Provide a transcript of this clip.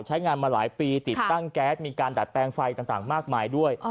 ใช้งานมาหลายปีติดตั้งแก๊สมีการดัดแปลงไฟต่างมากมายด้วย